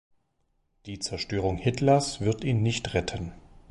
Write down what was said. Die Zerstörung Hitlers wird ihn nicht retten.